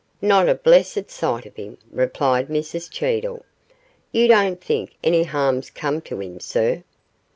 'Not a blessed sight of him,' replied Mrs Cheedle; 'you don't think any harm's come to him, sir?